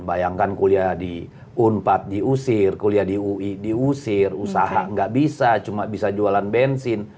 bayangkan kuliah di unpad diusir kuliah di ui diusir usaha nggak bisa cuma bisa jualan bensin